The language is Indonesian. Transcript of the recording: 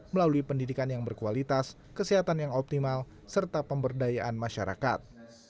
melalui pendidikan yang berkualitas kesehatan yang optimal serta pemberdayaan masyarakat